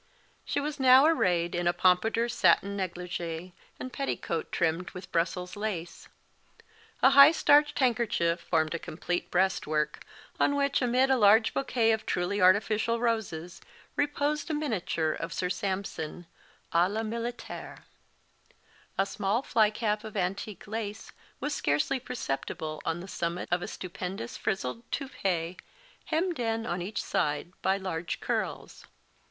She was now arrayed in a pompadour satin négligée, and petticoat trimmed with Brussels lace. A high starched handkerchief formed a complete breast work, on which, amid a large bouquet of truly artificial roses, reposed a miniature of Sir Sampson, à la militaire. A small fly cap of antique lace was scarcely perceptible on the summit of a stupendous frizzled toupee, hemmed in on each side by large curls.